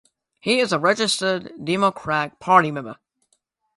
He is a registered Democratic Party member.